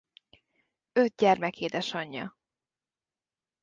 Öt gyermek édesanyja.